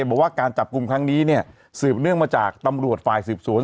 บอกว่าการจับกลุ่มครั้งนี้เนี่ยสืบเนื่องมาจากตำรวจฝ่ายสืบสวน